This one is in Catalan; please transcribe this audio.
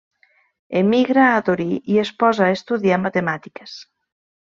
Emigra a Torí i es posa a estudiar matemàtiques.